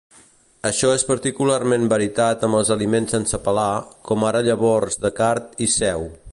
Això és particularment veritat amb els aliments sense pelar, com ara llavors de card i seu.